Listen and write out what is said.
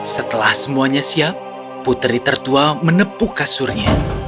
setelah semuanya siap putri tertua menepuk kasurnya